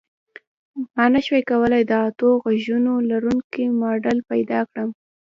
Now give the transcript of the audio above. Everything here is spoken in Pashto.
ما نشوای کولی د اتو غوږونو لرونکی ماډل پیدا کړم